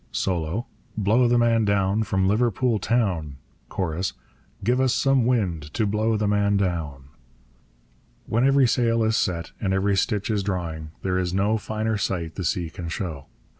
Solo. Blow the man down from Liverpool town; Chorus. Give us some wind to blow the man down. When every sail is set and every stitch is drawing, there is no finer sight the sea can show.